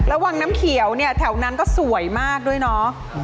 แล้ววังน้ำเขียวเนี่ยแถวนั้นก็สวยมากด้วยเนาะ